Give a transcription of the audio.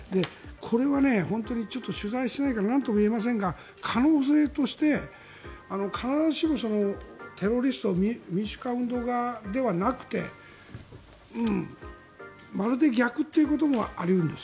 これは取材してないからなんとも言えませんが可能性として、必ずしもテロリスト民主化運動側ではなくてまるで逆ということもあり得るんです。